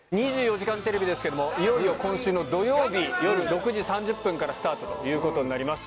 『２４時間テレビ』ですけどもいよいよ今週の土曜日夜６時３０分からスタートということになります。